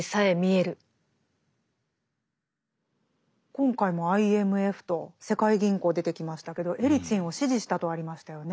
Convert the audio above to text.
今回もＩＭＦと世界銀行出てきましたけどエリツィンを支持したとありましたよね。